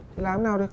thế làm thế nào được